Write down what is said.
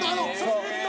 そう。